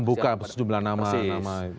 membuka sejumlah nama